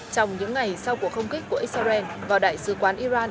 trong những ngày sau cuộc không kích của israel vào đại sứ quán iran